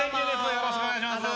よろしくお願いします。